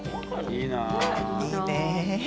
いいね。